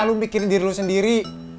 lo mikirin diri lo sendiri